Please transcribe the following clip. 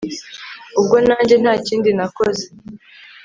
ubwo nanjye ntakindi nakoze